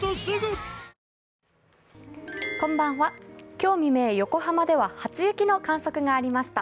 今日未明、横浜では初雪の観測がありました。